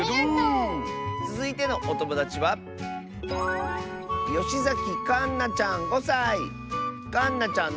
つづいてのおともだちはかんなちゃんの。